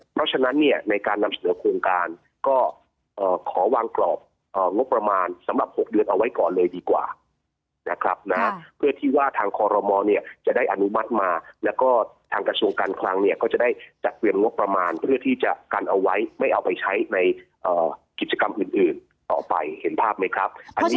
เพราะฉะนั้นเนี่ยในการนำเสนอโครงการก็ขอวางกรอบงบประมาณสำหรับ๖เดือนเอาไว้ก่อนเลยดีกว่านะครับนะเพื่อที่ว่าทางคอรมอลเนี่ยจะได้อนุมัติมาแล้วก็ทางกระทรวงการคลังเนี่ยก็จะได้จัดเตรียมงบประมาณเพื่อที่จะกันเอาไว้ไม่เอาไปใช้ในกิจกรรมอื่นต่อไปเห็นภาพไหมครับ